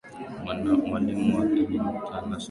Mwalimu wake ni mtanashati